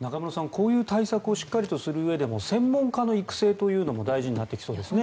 こういう対策をしっかりとするうえでも専門家の育成というのも大事になってきそうですね。